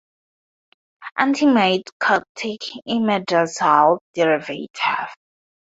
Antimycotic imidazole derivative.